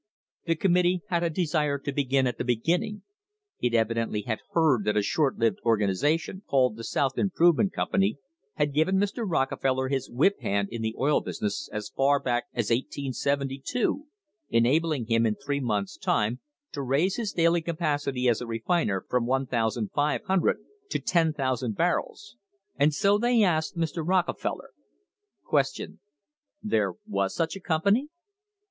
The com mittee had a desire to begin at the beginning. It evidently had heard that a short lived organisation, called the South Im provement Company, had given Mr. Rockefeller his whip hand in the oil business as far back as 1872, enabling him in three months' time to raise his daily capacity as a refiner from 1,500 to 10,000 barrels, and so they asked Mr. Rockefeller: Q. There was such a company